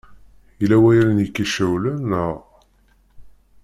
Yella wayen i k-icewwlen, neɣ?